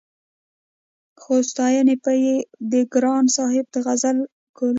خو ستاينې به يې د ګران صاحب د غزل کولې-